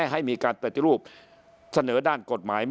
ให้มีการปฏิรูปเสนอด้านกฎหมาย